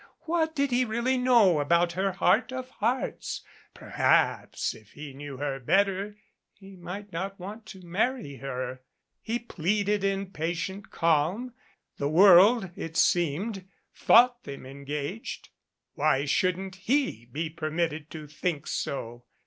Wliat did he really know about her heart of hearts ? Perhaps, if he knew her better he might not want to marry her. He pleaded in patient calm. The world, it seemed, thought them engaged. Why shouldn't heJae per mitted to think so.